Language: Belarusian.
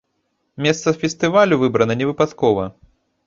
Месца фестывалю выбрана невыпадкова.